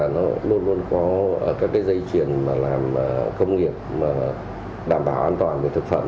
nó luôn luôn có các dây chuyền làm công nghiệp đảm bảo an toàn về thực phẩm